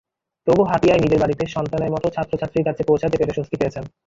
তবু হাতিয়ায় নিজের বাড়িতে, সন্তানের মতো ছাত্রছাত্রীর কাছে পৌঁছাতে পেরে স্বস্তি পেয়েছেন।